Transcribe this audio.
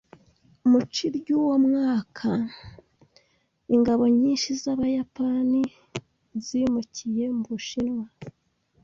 Mu ci ry'uwo mwaka, ingabo nyinshi z'Abayapani zimukiye mu Bushinwa.